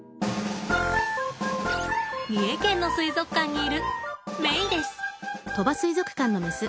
三重県の水族館にいるメイです。